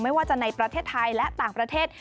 ไม่ว่าจะในประเทศไทยและต่างประเทศ